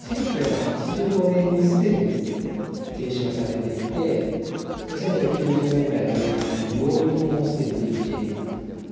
１９８５年に既に提唱されていて１９９０年代前半に病院ももう既にできている。